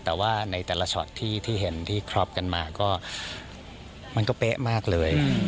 แต่ว่าในแต่ละช็อตที่เห็นที่ครอบกันมาก็มันก็เป๊ะมากเลย